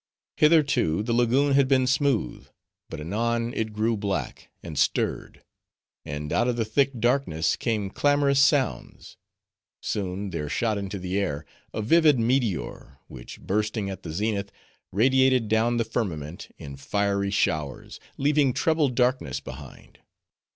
Hitherto the lagoon had been smooth: but anon, it grew black, and stirred; and out of the thick darkness came clamorous sounds. Soon, there shot into the air a vivid meteor, which bursting at the zenith, radiated down the firmament in fiery showers, leaving treble darkness behind.